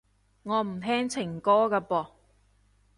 我唔聽情歌㗎噃